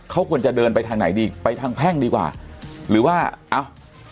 เขาควรจะเดินไปทางไหนดีไปทางแพ่งดีกว่าหรือว่าเอ้า